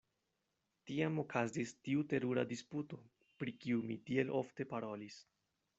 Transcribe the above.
Tiam okazis tiu terura disputo, pri kiu mi tiel ofte parolis.